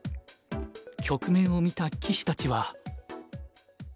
局面を見た棋士たちは。